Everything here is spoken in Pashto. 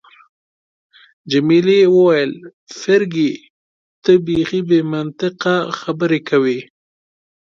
جميلې وويل: فرګي، ته بیخي بې منطقه خبرې کوي.